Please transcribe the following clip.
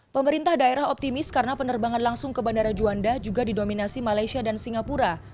pemerintah daerah optimis karena penerbangan langsung ke bandara juanda juga didominasi malaysia dan singapura